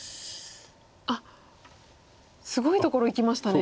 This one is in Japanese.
あっすごいところいきましたね。